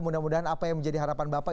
mudah mudahan apa yang menjadi harapan bapak